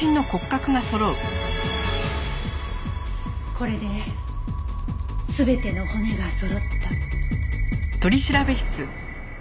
これで全ての骨がそろった。